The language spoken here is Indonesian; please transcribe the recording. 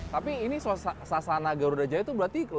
tapi ini sasana garuda jaya itu berarti luar biasa